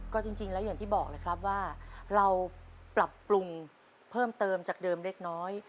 ก็จริงแล้วอย่างที่บอกเลยครับว่าเราปรับปรุงเพิ่มเติมจากเดิมเล็กน้อย